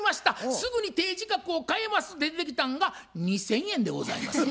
すぐに提示額を変えます」って出てきたんが２，０００円でございますよ。